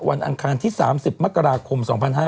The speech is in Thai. อังคารที่๓๐มกราคม๒๕๕๙